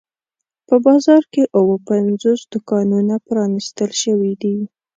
په بازار کې اووه پنځوس دوکانونه پرانیستل شوي دي.